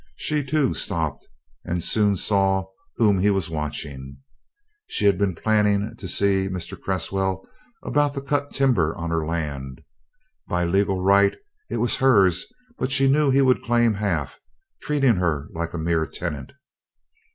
She, too, stopped, and soon saw whom he was watching. She had been planning to see Mr. Cresswell about the cut timber on her land. By legal right it was hers but she knew he would claim half, treating her like a mere tenant.